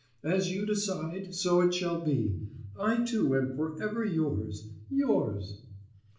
As you decide, so it shall be. I, too, am for ever yours ... yours.